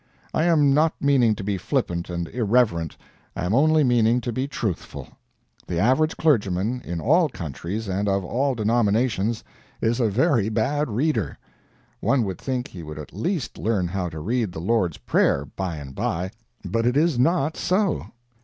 I am not meaning to be flippant and irreverent, I am only meaning to be truthful. The average clergyman, in all countries and of all denominations, is a very bad reader. One would think he would at least learn how to read the Lord's Prayer, by and by, but it is not so.